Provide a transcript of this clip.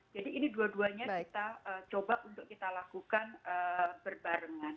jadi ini dua duanya kita coba untuk kita lakukan berbarengan